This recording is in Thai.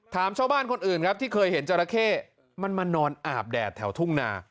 ชาวบ้านคนอื่นครับที่เคยเห็นจราเข้มันมานอนอาบแดดแถวทุ่งนา